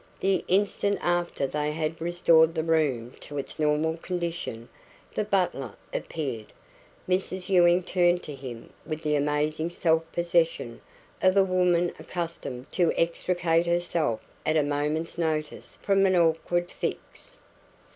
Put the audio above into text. The instant after they had restored the room to its normal condition, the butler appeared. Mrs Ewing turned to him with the amazing self possession of a woman accustomed to extricate herself at a moment's notice from an awkward fix.